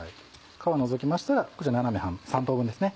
皮除きましたらこちら斜め３等分ですね。